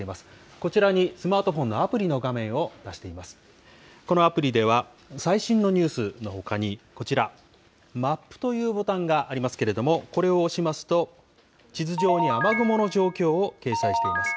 このアプリでは、最新のニュースのほかに、こちら、マップというボタンがありますけれども、これを押しますと、地図上に雨雲の状況を掲載しています。